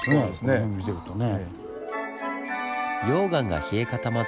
この辺見てるとね。